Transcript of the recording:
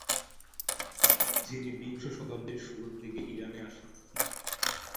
যিনি বিংশ শতাব্দীর শুরুর দিকে ইরানে আসেন।